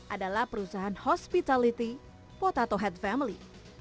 adalah perusahaan hospitality potato head family